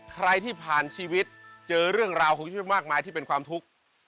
ใครที่ผ่านชีวิตเจอเรื่องราวของชีวิตมากมายที่เป็นความทุกข์